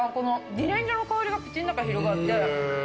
自然薯の香りが口の中広がって。